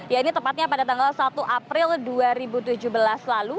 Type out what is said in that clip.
ya ini tepatnya pada tanggal satu april dua ribu tujuh belas lalu